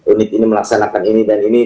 unit ini melaksanakan ini dan ini